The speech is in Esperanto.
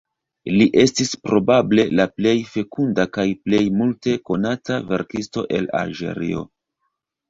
Li estis probable la plej fekunda kaj plej multe konata verkisto el Alĝerio.